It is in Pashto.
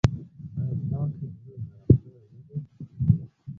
ایا ستاسو زړه نرم شوی نه دی؟